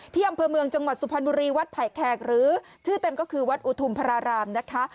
อำเภอเมืองจังหวัดสุพรรณบุรีวัดไผ่แขกหรือชื่อเต็มก็คือวัดอุทุมพระรารามนะคะ